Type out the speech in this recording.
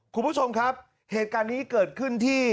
คุณผู้ชมครับเหตุการณ์นี้เกิดขึ้นที่